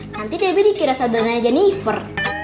nanti debi dikira saudaranya jennifer